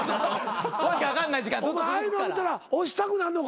お前ああいうの見たら押したくなんのか？